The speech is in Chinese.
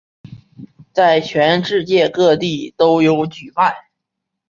在全世界各地都有举办。